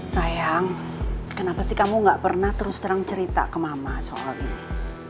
sayang kenapa sih kamu gak pernah terus terang cerita ke mama soal ini